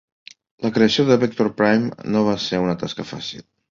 La creació de Vector Prime no va ser una tasca fàcil.